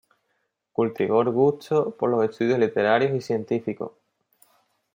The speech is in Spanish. Cultivó el gusto por los estudios literarios y científicos.